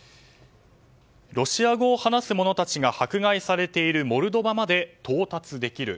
ロシア語を話す者たちが迫害されているモルドバまで到達できる。